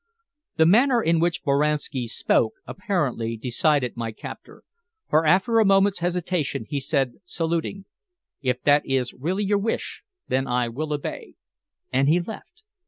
The manner in which Boranski spoke apparently decided my captor, for after a moment's hesitation he said, saluting: "If that is really your wish, then I will obey." And he left.